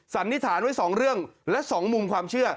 สันนิษฐานไว้๒เรื่องและ๒มุมความเชื่อ